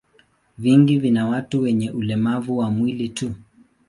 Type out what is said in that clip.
Vingi vina watu wenye ulemavu wa mwili tu.